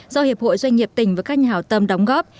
do hiệp hội doanh nghiệp tỉnh và các nhà hào tâm đóng góp